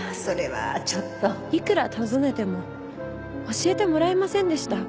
いくら尋ねても教えてもらえませんでした。